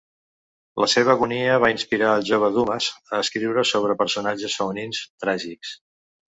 La seva agonia va inspirar el jove Dumas a escriure sobre personatges femenins tràgics.